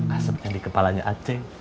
asepnya di kepalanya acing